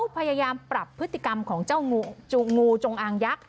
พยายามปรับพฤติกรรมของเจ้างูจงอางยักษ์